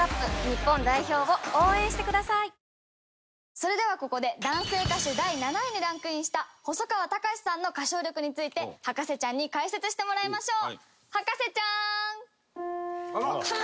それではここで男性歌手第７位にランクインした細川たかしさんの歌唱力について博士ちゃんに解説してもらいましょう。